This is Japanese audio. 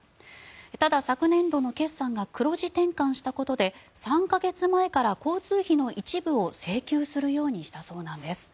ただ、昨年度の決算が黒字転換したことで３か月前から交通費の一部を請求するようにしたそうです。